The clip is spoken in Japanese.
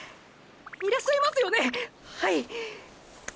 いらっしゃいますよねはいっ。